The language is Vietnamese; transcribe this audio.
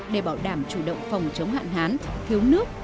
để bảo đảm chủ động phòng chống hạn hán thiếu nước